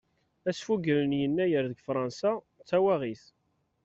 Asfugel n yennayer deg faransa d tawaɣit.